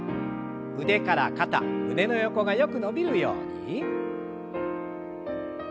腕から肩胸の横がよく伸びるように。